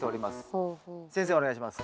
先生お願いします。